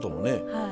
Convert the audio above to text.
はい。